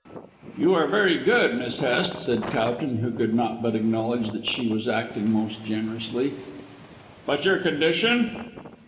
"You are very good, Miss Hest," said Towton, who could not but acknowledge that she was acting most generously. "But your condition?"